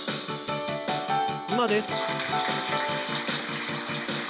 今です！